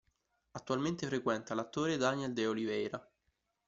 Attualmente frequenta l'attore Daniel de Oliveira.